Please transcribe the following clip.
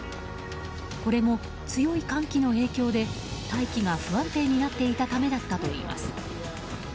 これも強い寒気の影響で大気が不安定になっていたためだったといいます。